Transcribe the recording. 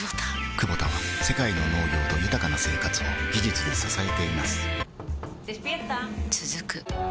クボタは世界の農業と豊かな生活を技術で支えています起きて。